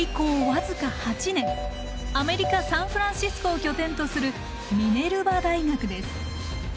僅か８年アメリカ・サンフランシスコを拠点とするミネルバ大学です。